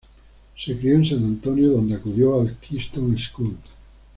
Se crio en San Antonio, donde acudió al Keystone School.